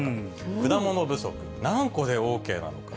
果物不足、何個でＯＫなのか。